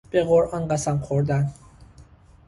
به قرآن قسم خوردن